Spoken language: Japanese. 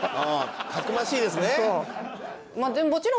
たくましいですね。